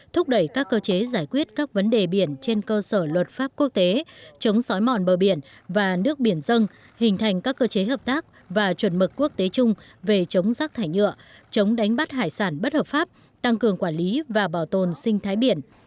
thúc đẩy các cơ chế giải quyết các vấn đề biển trên cơ sở luật pháp quốc tế chống sói mòn bờ biển và nước biển dân hình thành các cơ chế hợp tác và chuẩn mực quốc tế chung về chống rác thải nhựa chống đánh bắt hải sản bất hợp pháp tăng cường quản lý và bảo tồn sinh thái biển